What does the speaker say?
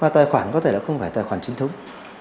tài khoản có thể là không phải tài khoản chính thống